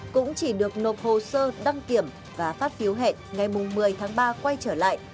cũng chỉ được nộp hồ sơ đăng kiểm và phát phiếu hẹn ngày một mươi tháng ba quay trở lại